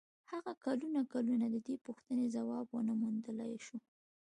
هغه کلونه کلونه د دې پوښتنې ځواب و نه موندلای شو.